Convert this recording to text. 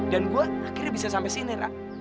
dan gue akhirnya bisa sampai sini ra